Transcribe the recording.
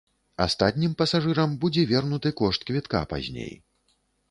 Астатнім пасажырам будзе вернуты кошт квітка пазней.